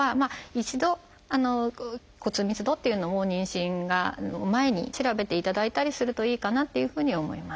一度骨密度っていうのを妊娠の前に調べていただいたりするといいかなっていうふうには思います。